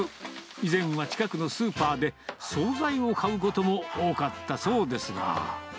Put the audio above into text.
以前は近くのスーパーで、総菜を買うことも多かったそうですが。